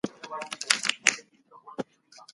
د اکبرخان نوم د ملت په زړونو کې پاتې شو